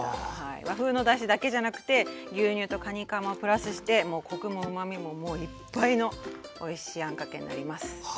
和風のだしだけじゃなくて牛乳とかにかまプラスしてコクもうまみももういっぱいのおいしいあんかけになります。